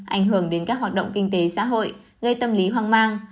ảnh hưởng đến các hoạt động kinh tế xã hội gây tâm lý hoang mang